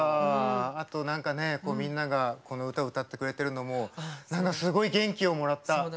あと、なんかね、みんながこの歌を歌ってくれてるのもすごい元気をもらった。